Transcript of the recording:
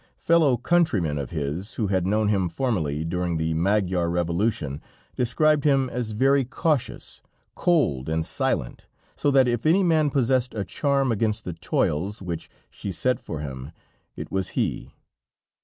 Fellow countrymen of his, who had known him formerly, during the Magyar revolution, described him as very cautious, cold and silent, so that if any man possessed a charm against the toils, which she set for him, it was he.